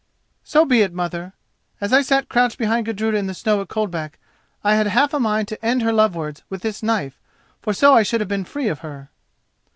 "So be it, mother. As I sat crouched behind Gudruda in the snow at Coldback, I had half a mind to end her love words with this knife, for so I should have been free of her."